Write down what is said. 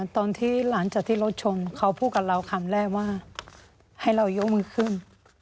ตอนที่หลังจากที่รถชนเขาพูดกับเราคำแรกว่าให้เรายกมือขึ้น